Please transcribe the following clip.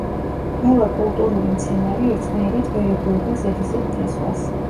ყველა კულტურული მცენარე ერთნაირად ვერ ეგუება ზედიზედ თესვას.